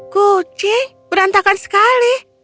kucing berantakan sekali